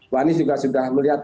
bani juga sudah melihat